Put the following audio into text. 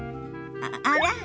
あら？